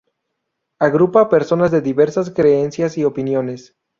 Agrupa a personas de diversas creencias y opiniones.